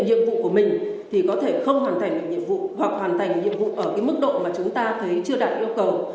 thì nhiệm vụ của mình có thể không hoàn thành hoặc hoàn thành nhiệm vụ ở mức độ mà chúng ta thấy chưa đạt yêu cầu